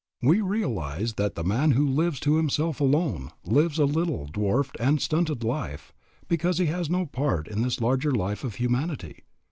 We realize that the man who lives to himself alone lives a little, dwarfed, and stunted life, because he has no part in this larger life of humanity.